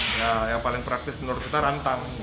ya yang paling praktis menurut kita rantang